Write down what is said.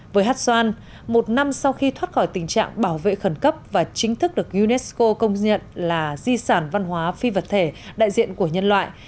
với hát xoan một năm sau khi thoát khỏi tình trạng bảo vệ khẩn cấp và chính thức được unesco công nhận là di sản văn hóa phi vật thể đại diện của nhân loại